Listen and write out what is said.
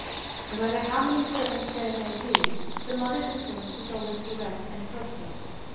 No matter how many servants there may be, the mother's influence is always direct and personal.